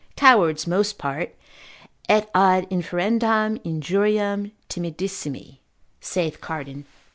Cowards most part et ad inferendam injuriam timidissimi, saith Cardan, lib.